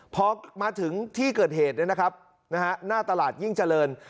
เพราะมาถึงที่เกิดเหตุเนี่ยนะครับนะฮะหน้าตลาดยิ่งเจริญ